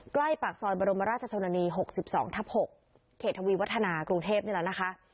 ใกล้ปากซอยบรมราชชนนี๖๒ทับ๖เขตทวีวัฒนากรุงเทพนี่แหละนะคะ